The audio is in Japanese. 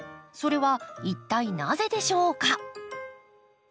それは一体なぜでしょうか？